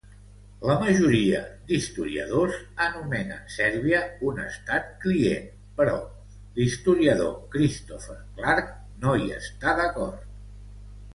La majoria d'historiadors anomenen Sèrbia un estat client, però l'historiador Christopher Clark no hi està d'acord.